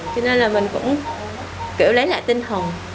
cho nên là mình cũng kiểu lấy lại tinh thần